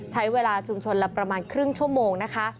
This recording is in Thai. ใช้เวลาชุมชนละประมาณครึ่งชั่วโมงนะคะ